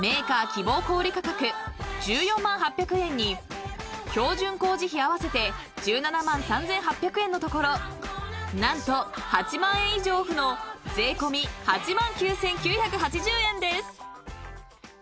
希望小売価格１４万８００円に標準工事費合わせて１７万３，８００円のところなんと８万円以上オフの税込み８万９，９８０円です］